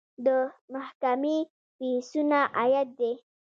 د محکمې فیسونه عاید دی